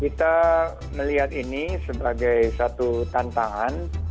kita melihat ini sebagai satu tantangan